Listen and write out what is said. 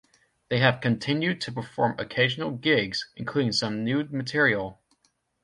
They have continued to perform occasional gigs, including some new material.